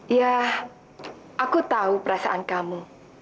ya aku tahu perasaan kamu